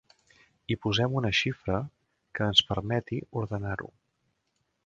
Hi posem una xifra que ens permeti ordenar-ho.